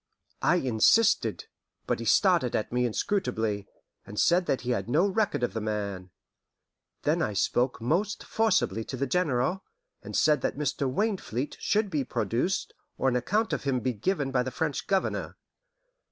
I insisted, but he stared at me inscrutably, and said that he had no record of the man. Then I spoke most forcibly to the General, and said that Mr. Wainfleet should be produced, or an account of him be given by the French Governor.